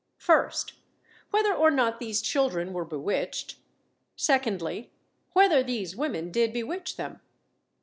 First, Whether or not these children were bewitched; secondly, Whether these women did bewitch them.